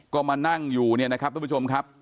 ก็มานั่งอยู่เนี่ยนะครับทุกผู้ชมครับ